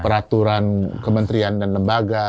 peraturan kementerian dan lembaga